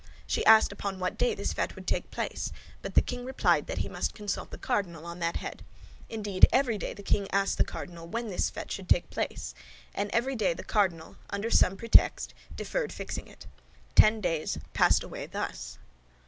She asked upon what day this fête would take place, but the king replied that he must consult the cardinal upon that head. Indeed, every day the king asked the cardinal when this fête should take place; and every day the cardinal, under some pretext, deferred fixing it. Ten days passed away thus.